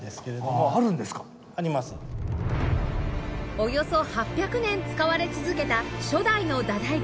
およそ８００年使われ続けた初代の太鼓